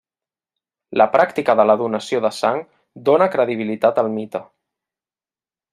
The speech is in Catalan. La pràctica de la donació de sang dóna credibilitat al mite.